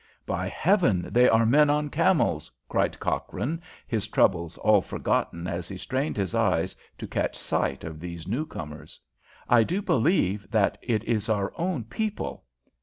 "By Heaven, they are men on camels!" cried Cochrane, his troubles all forgotten as he strained his eyes to catch sight of these new comers. "I do believe that it is our own people."